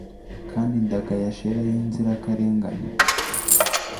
kandi ndagaya shela yinzirakarengane